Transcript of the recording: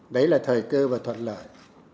đấy là thời cơ và thuận lợi